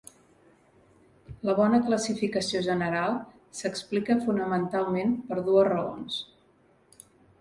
La bona classificació general s'explica fonamentalment per dues raons.